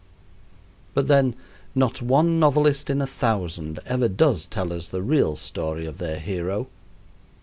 But then not one novelist in a thousand ever does tell us the real story of their hero.